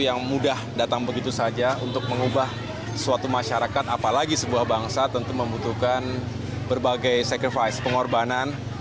yang mudah datang begitu saja untuk mengubah suatu masyarakat apalagi sebuah bangsa tentu membutuhkan berbagai secovise pengorbanan